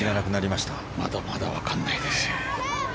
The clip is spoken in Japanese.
まだまだわからないですよ。